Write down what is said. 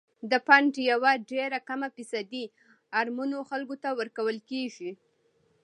د فنډ یوه ډیره کمه فیصدي اړمنو خلکو ته ورکول کیږي.